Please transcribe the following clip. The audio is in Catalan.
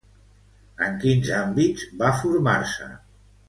En quins àmbits va formar-se?